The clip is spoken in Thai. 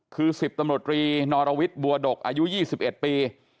คือสิบตำรวจรีนอรวิทบัวดกอายุยี่สิบเอ็ดปี